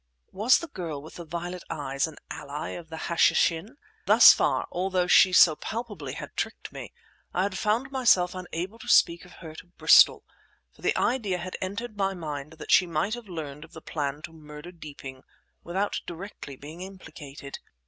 Was the girl with the violet eyes an ally of the Hashishin? Thus far, although she so palpably had tricked me, I had found myself unable to speak of her to Bristol; for the idea had entered my mind that she might have learned of the plan to murder Deeping without directly being implicated.